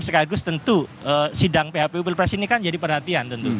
sekaligus tentu sidang phpu pilpres ini kan jadi perhatian tentu